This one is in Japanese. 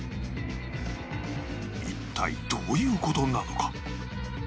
一体どういう事なのか？